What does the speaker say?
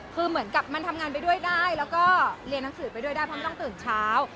คือเหมือนกับมันทำงานไปด้วยได้แล้วก็เรียนหนังสือไปด้วยได้เพราะมันต้องตื่นเช้า